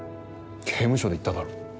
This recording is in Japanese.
刑務所で言っただろ。